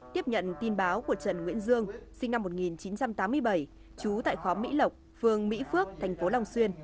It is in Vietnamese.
tiếp nhận tin báo của trần nguyễn dương sinh năm một nghìn chín trăm tám mươi bảy chú tại khóm mỹ lộc phường mỹ phước thành phố long xuyên